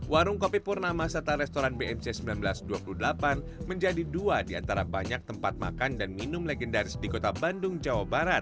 warung kopi purnama serta restoran bmc seribu sembilan ratus dua puluh delapan menjadi dua di antara banyak tempat makan dan minum legendaris di kota bandung jawa barat